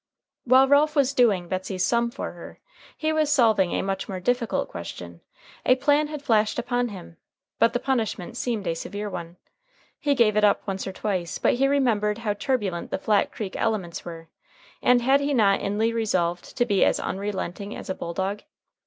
While Ralph was "doing" Betsey's "sum" for her, he was solving a much more difficult question. A plan had flashed upon him, but the punishment seemed a severe one. He gave it up once or twice, but he remembered how turbulent the Flat Creek elements were; and had he not inly resolved to be as unrelenting as a bulldog?